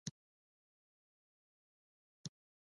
دوی په لیکونو کې پر هند د حملې غوښتنه کړې وه.